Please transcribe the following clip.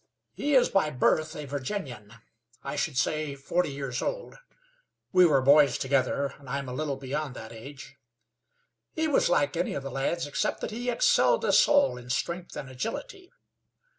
He is by birth a Virginian; I should say, forty years old. We were boys together, and and I am a little beyond that age. He was like any of the lads, except that he excelled us all in strength and agility.